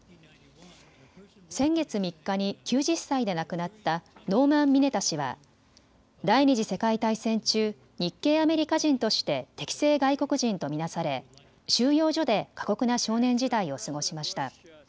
先月３日に９０歳で亡くなったノーマン・ミネタ氏は第２次世界大戦中、日系アメリカ人として敵性外国人と見なされ、収容所で過酷な少年時代を過ごしました。